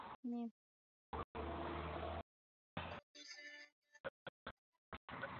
aka haraka msikilizaji nikuunganishe naye victor robert wile katika wimbi la sia